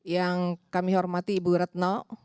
yang kami hormati ibu retno